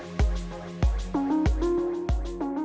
saya mengambil alih kota di jepang